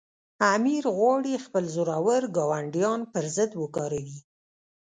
امیر غواړي خپل زورور ګاونډیان پر ضد وکاروي.